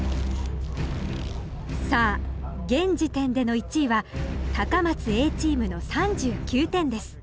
さあ現時点での１位は高松Ａチームの３９点です